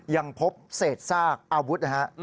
ยังพบเศษซากอาวุธนะฮะ